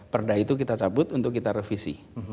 perda itu kita cabut untuk kita revisi